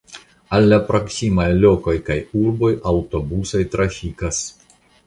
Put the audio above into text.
Al la proksimaj lokoj kaj urboj aŭtobusoj trafikas.